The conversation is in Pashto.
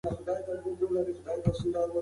روغتیايي خدمتونه به پراخ شي.